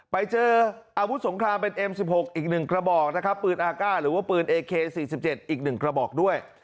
ไปเจออาวุธสงครามเป็นเอ็มสิบหกอีกหนึ่งกระบอกนะครับปืนอาฆ่าหรือว่าปืนเอเคสี่สิบเจ็ดอีกหนึ่งกระบอกด้วย